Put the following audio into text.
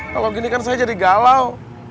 kalau gini kan saya jadi galau